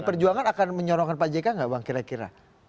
pdi perjuangan akan menyorongkan pak jk nggak bang kira kira